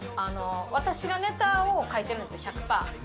私がネタを書いてるんですよ、１００パー。